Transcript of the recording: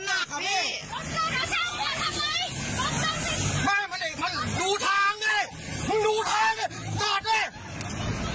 แล้วมันอีกจังการดั่งคลิป